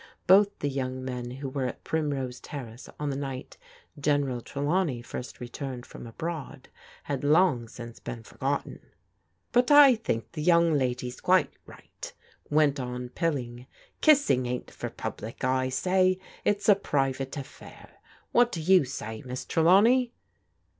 Both the young men who were at Primrose Terrace on the night General Trelawney first returned from abroad, had long since been forgotten. " But I think the young lady's quite right," went on Pilling. " Kissing ain't for public, I say. It's a private affair. What do you say, Miss Trelawney?"